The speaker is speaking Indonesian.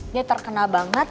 dia terkenal banget